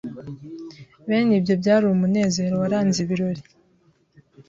Bene ibyo byari umunezero waranze ibiror